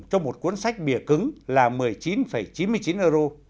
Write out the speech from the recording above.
giá bìa cứng là một mươi chín chín mươi chín euro